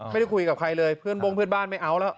ไม่ได้คุยกับใครเลยเพื่อนบ้งเพื่อนบ้านไม่เอาแล้ว